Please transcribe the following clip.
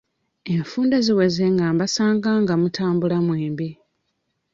Enfunda ziweze nga mbasanga nga mutambula mwembi.